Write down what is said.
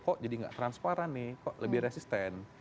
kok jadi nggak transparan nih kok lebih resisten